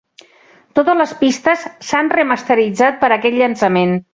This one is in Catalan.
Totes les pistes s'han remasteritzat per a aquest llançament.